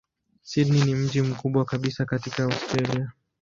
Sydney ni mji mkubwa kabisa katika Australia.